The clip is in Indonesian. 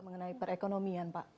bagaimana menurut pak sby